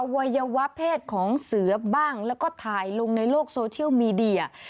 วัยวะเพศของเสือบ้างแล้วก็ถ่ายลงในโลกโซเชียลมีเดีย